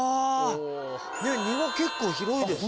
庭結構広いですよ。